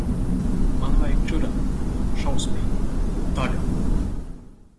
Man vajag čurāt. Šausmīgi. Tagad.